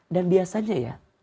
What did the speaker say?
dan biasanya ya